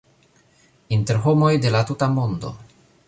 Inter homoj de la tuta mondo